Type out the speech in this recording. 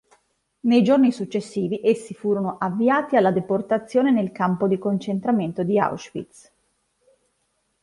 Nei giorni successivi essi furono avviati alla deportazione nel campo di concentramento di Auschwitz.